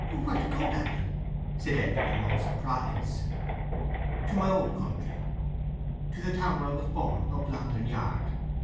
"Where to go, daddy?" said Eppie, in much surprise. "To my old country—to the town where I was born—up Lantern Yard.